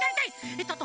えっと